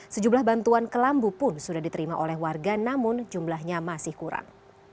sejumlah bantuan kelambu pun sudah diterima oleh warga namun jumlahnya masih kurang